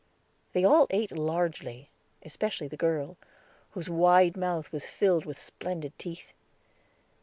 They all ate largely, especially the girl, whose wide mouth was filled with splendid teeth.